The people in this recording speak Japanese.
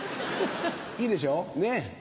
いいでしょねっ！